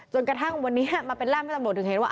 จนกระทั่งวันนี้มาเป็นร่ามให้ตำรวจถึงเห็นว่า